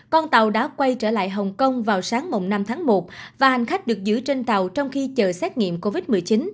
con tàu đã quay trở lại hồng kông vào sáng năm tháng một và hành khách được giữ trên tàu trong khi chờ xét nghiệm covid một mươi chín